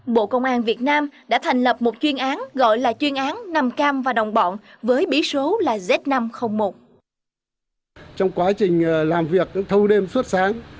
bộ công an việt nam đã thành lập một chuyên án gọi là chuyên án nam cam và đồng bọn với bí số là z năm trăm linh một